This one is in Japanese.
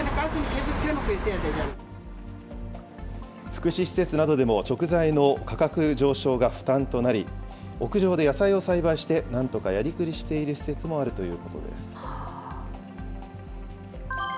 福祉施設などでも食材の価格上昇が負担となり、屋上で野菜を栽培して、なんとかやりくりしている施設もあるということです。